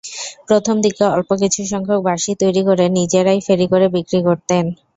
প্রথমদিকে অল্প কিছুসংখ্যক বাঁশি তৈরি করে নিজেরাই ফেরি করে বিক্রি করতেন।